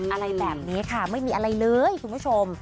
อะไรแบบนี้ค่ะไม่มีอะไรเลยคุณผู้ชม